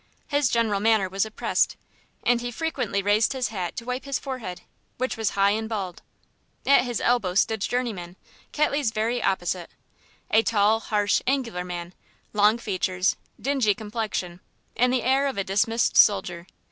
His general manner was oppressed, and he frequently raised his hat to wipe his forehead, which was high and bald. At his elbow stood Journeyman, Ketley's very opposite. A tall, harsh, angular man, long features, a dingy complexion, and the air of a dismissed soldier.